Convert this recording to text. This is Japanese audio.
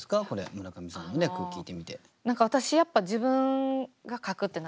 村上さんの句を聞いてみて。